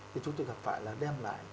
thì chúng tôi gặp phải là đem lại